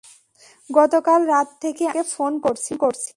গতকাল রাত থেকে আমি তাকে ফোন করছি।